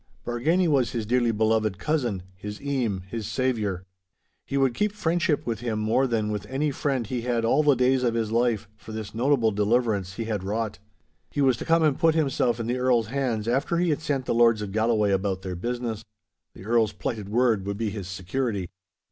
Bargany was his dearly beloved cousin, his eame, his saviour. He would keep friendship with him more than with any friend he had all the days of his life, for this notable deliverance he had wrought. He was to come and put himself in the Earl's hands after he had sent the lords of Galloway about their business. The Earl's plighted word would be his security.